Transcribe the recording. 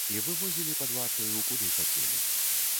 І вывозілі пад вартаю куды хацелі.